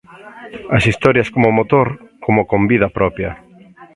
As historias como motor, como con vida propia.